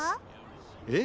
えっ！